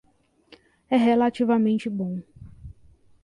É relativamente bom.